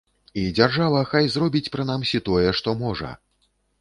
І дзяржава, хай зробіць прынамсі тое, што можа.